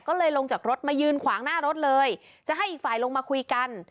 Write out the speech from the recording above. ก็เลยลงจากรถมายืนขวางหน้ารถเลยจะให้อีกฝ่ายลงมาคุยกัน